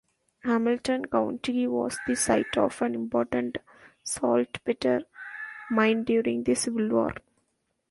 Hamilton County was the site of an important saltpeter mine during the Civil War.